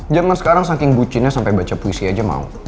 jangan sekarang saking bucinnya sampe baca puisi aja mau